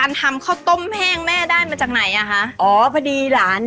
เราก็จะมีหัวเชีย